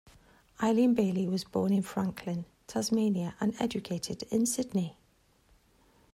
Irene Bailey was born in Franklin, Tasmania, and educated in Sydney.